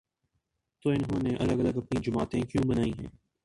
تو انہوں نے الگ الگ اپنی جماعتیں کیوں بنائی ہیں؟